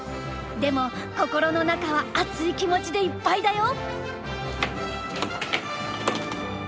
でも心の中は熱い気持ちでいっぱいだよ！